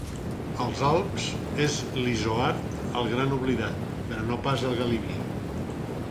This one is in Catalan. Als Alps és l'Izoard el gran oblidat, però no pas el Galibier.